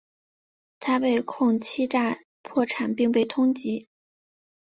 他被控欺诈破产并被通缉。